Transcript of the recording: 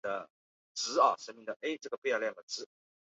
伊斯兰教法学补足沙里亚法规。